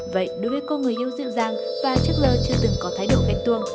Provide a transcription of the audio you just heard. vậy đối với cô người yêu dịu dàng và trước giờ chưa từng có thái độ ghen tuông